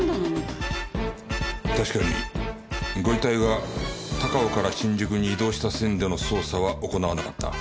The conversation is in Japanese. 確かにご遺体が高尾から新宿に移動した線での捜査は行わなかった。